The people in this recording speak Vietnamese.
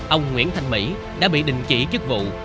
ông nguyễn thanh mỹ đã bị đình chỉ chức vụ